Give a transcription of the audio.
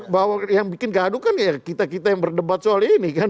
bahwa yang bikin gaduh kan ya kita kita yang berdebat soal ini kan